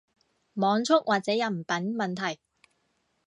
網速或者人品問題